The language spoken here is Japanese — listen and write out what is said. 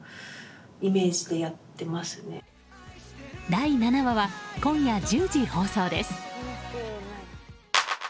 第７話は今夜１０時放送です。